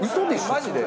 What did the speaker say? マジで？